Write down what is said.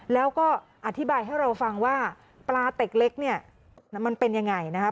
แล้วก็อธิบายให้เราฟังว่าปลาเต็กเล็กเนี่ยมันเป็นยังไงนะครับ